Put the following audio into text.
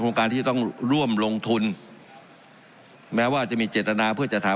การที่จะต้องร่วมลงทุนแม้ว่าจะมีเจตนาเพื่อจะถาม